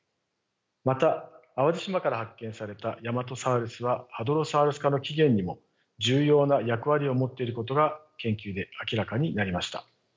また淡路島から発見されたヤマトサウルスはハドロサウルス科の起源にも重要な役割を持っていることが研究で明らかになりました。